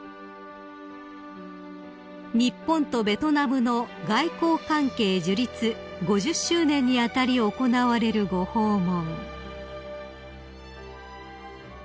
［日本とベトナムの外交関係樹立５０周年に当たり行われるご訪問］